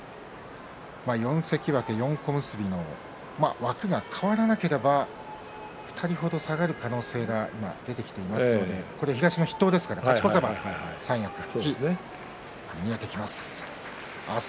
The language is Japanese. ４関脇４小結の枠が変わらなければ２人程、下がる可能性が今出てきていますので東の筆頭ですので勝ち越せば三役復帰が見えてきます。